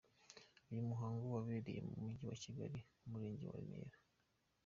Uyu muhango wabereye mu mujyi wa Kigali ku murenge wa Remera.